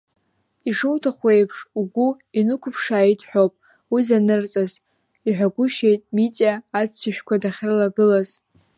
Ишуҭаху еиԥш, ҳгәы унықәыԥшааитҳәоуп уи занырҵаз, иҳәагәышьеит Митиа аццышәқәа дахьрылагылаз.